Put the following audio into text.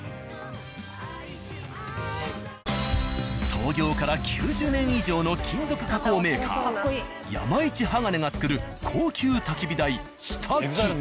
創業から９０年以上の金属加工メーカー「山一ハガネ」が作る高級焚き火台。